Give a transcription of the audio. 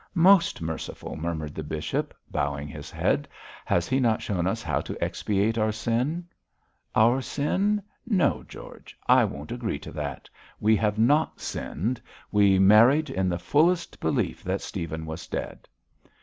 'Most merciful,' murmured the bishop, bowing his head. 'Has He not shown us how to expiate our sin?' 'Our sin; no, George, I won't agree to that. We have not sinned. We married in the fullest belief that Stephen was dead.'